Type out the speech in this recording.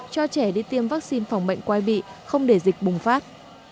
cho trẻ đi tiêm vắc xin phòng bệnh quai bị không để dịch bùng phát